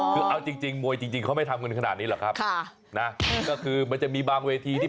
แล้วจะถามจริงนี่เขาเป็นกรรมการห้ามวยจริงหรือว่า